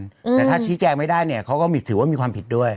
แต่ถ้าชี้แจงไม่ได้ครั้วนี่เขาก็หมิดถือว่าความผิดด้วย